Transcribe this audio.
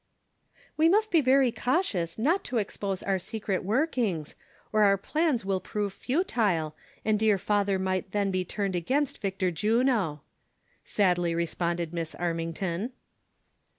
" We must be very cautious not to expose our secret Avorkings, or our plans will prove futile, and dear father then might be turned against Victor Juno," sadly re sponded Miss Armington.